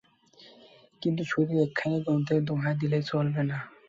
কিন্তু শুধু একখানি গ্রন্থের দোহাই দিলেই চলিবে না।